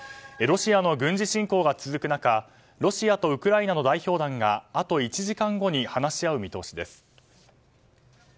ロシアの軍事侵攻が続く中ロシアとウクライナの代表団があと１時間後に話し合う見通しです。